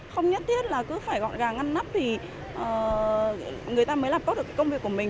không nhất thiết là cứ phải gọn gàng ngăn nắp thì người ta mới làm tốt được công việc của mình